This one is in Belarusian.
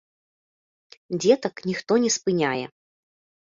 Дзетак ніхто не спыняе.